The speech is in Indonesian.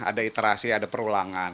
ada iterasi ada perulangan